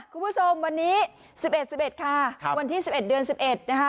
คุณผู้ชมวันนี้๑๑๑๑ค่ะวันที่๑๑เดือน๑๑นะคะ